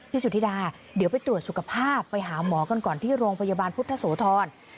สุธิดาเดี๋ยวไปตรวจสุขภาพไปหาหมอกันก่อนที่โรงพยาบาลพุทธโสธร